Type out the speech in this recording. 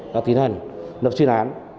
đã tiến hành lập chuyên án